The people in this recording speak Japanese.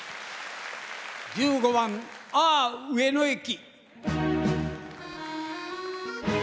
１５番「ああ上野駅」。